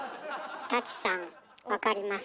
舘さん分かります？